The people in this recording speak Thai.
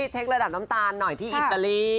เช็คระดับน้ำตาลหน่อยที่อิตาลี